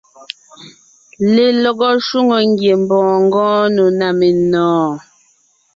Lelɔgɔ shwòŋo ngiembɔɔn ngɔɔn nò ná menɔ̀ɔn.